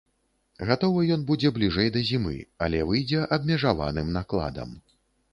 Гатовы ён будзе бліжэй да зімы, але выйдзе абмежаваным накладам.